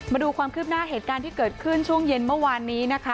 มาดูความคืบหน้าเหตุการณ์ที่เกิดขึ้นช่วงเย็นเมื่อวานนี้นะคะ